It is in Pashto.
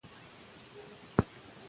د سپورت د پیل وروسته درد لږ شي.